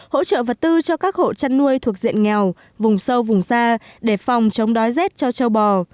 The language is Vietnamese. hỗ trợ vật tư cho các hộ chăn nuôi thuộc diện nghèo vùng sâu vùng xa để phòng chống đói rét cho châu bò